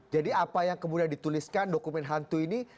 jadi apa yang kemudian dituliskan dokumen hantu ini